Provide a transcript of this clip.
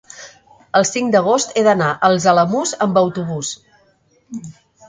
el cinc d'agost he d'anar als Alamús amb autobús.